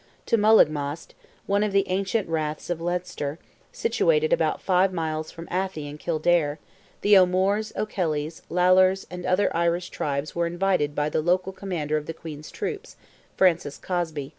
To Mullaghmast, one of the ancient raths of Leinster, situated about five miles from Athy in Kildare, the O'Moores, O'Kellys, Lalors, and other Irish tribes were invited by the local commander of the Queen's troops, Francis Cosby.